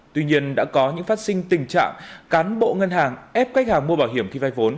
tuy nhiên đã có những phát sinh tình trạng cán bộ ngân hàng ép khách hàng mua bảo hiểm khi vay vốn